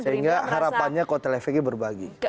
sehingga harapannya kotel efeknya berbagi